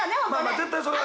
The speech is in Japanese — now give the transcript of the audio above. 絶対それは。